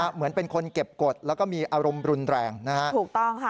เหมือนเป็นคนเก็บกฎแล้วก็มีอารมณ์รุนแรงนะครับ